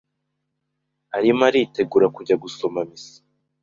arimo yitegura kujya gusoma misa,